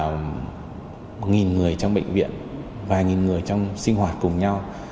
một nghìn người trong bệnh viện vài nghìn người trong sinh hoạt cùng nhau